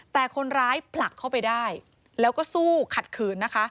แต่คนร้ายผลักเข้าไปได้แล้วก็สู้ขัดขืนนะคะ